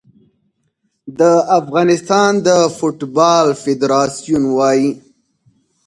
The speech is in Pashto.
د افغانستان د فوټبال فدراسیون وايي